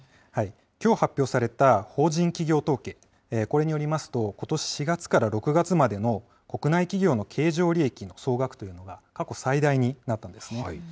きょう発表された法人企業統計、これによりますと、ことし４月から６月までの国内企業の経常利益の総額というのが、過去最大になったんですね。